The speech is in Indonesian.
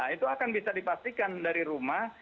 itu akan bisa dipastikan dari rumah